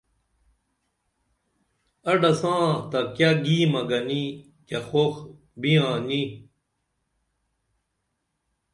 اڈہ ساں تہ کیہ گیمہ گنی کیہ خوخ بیاں نی